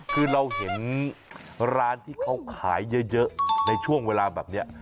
คือเราเห็นร้านที่เขาขายเยอะในช่วงเวลาแบบนี้